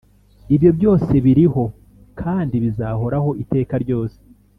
Ibyo byose biriho kandi bizahoraho iteka ryose,